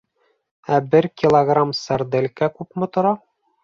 Ә бер килограмм сарделька күпме тора?